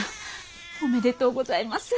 おめでとうございます。